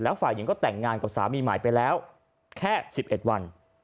ฝ่ายหญิงก็แต่งงานกับสามีใหม่ไปแล้วแค่๑๑วัน